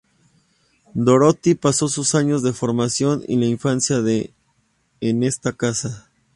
Dorothy pasó sus años de formación y la infancia de en esta casa.